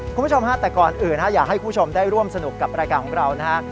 คุณผู้ชมฮะแต่ก่อนอื่นอยากให้คุณผู้ชมได้ร่วมสนุกกับรายการของเรานะฮะ